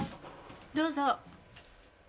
どうぞ。